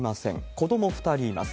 子ども２人います。